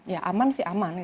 ya aman sih aman